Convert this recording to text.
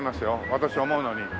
私が思うのに。